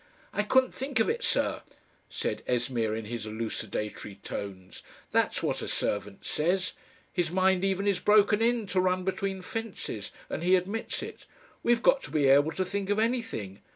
"'I couldn't THINK of it, Sir,'" said Esmeer in his elucidatory tones; "that's what a servant says. His mind even is broken in to run between fences, and he admits it. WE'VE got to be able to think of anything.